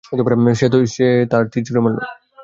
সে তীর ছুঁড়ে মারল।